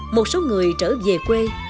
một số người trở về quê